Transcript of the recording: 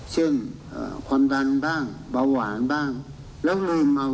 โดยมีปัญหาเรื่องโรคลงชักเรียนยังไม่พอ